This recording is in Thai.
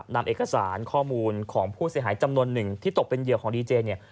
นำเอกสารข้อมูลของผู้เสียหายจำนวนหนึ่งที่ตกเป็นเหยื่อของดีเจเนี่ย